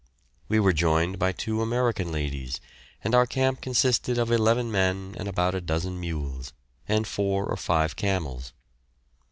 We were joined by two American ladies, and our camp consisted of eleven men and about a dozen mules, and four or five camels.